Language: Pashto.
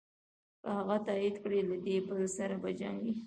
که هغه تایید کړې له دې بل سره په جنګ یې.